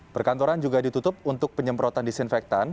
perkantoran juga ditutup untuk penyemprotan disinfektan